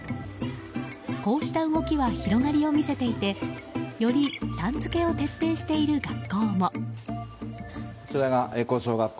こうした動きは広がりを見せていてより、さん付けを徹底している学校も。